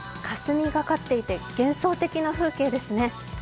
霞がかっていて幻想的な風景ですね。